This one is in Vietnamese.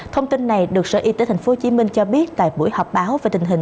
thông tin này được sở y tế tp hcm cho biết tại buổi họp báo về tình hình